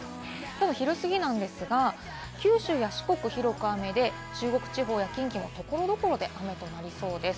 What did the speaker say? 昼すぎなんですが、九州や四国は広く雨で、中国地方や近畿も所々で雨となりそうです。